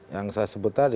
yang saya sebut tadi